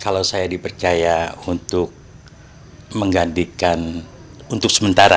kalau saya dipercaya untuk menggantikan untuk sementara